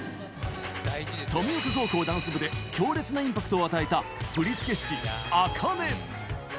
登美丘高校ダンス部で強烈なインパクトを与えた振付師、ａｋａｎｅ。